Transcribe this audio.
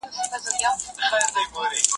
ډاکټر میلرډ وايي، دا لویه نه ده.